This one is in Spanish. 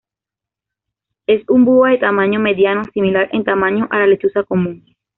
Es un búho de tamaño mediano, similar en tamaño a la lechuza común.